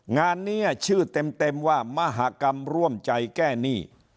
งานนี้ชื่อเต็มว่ามหากรรมร่วมใจแก้หนี้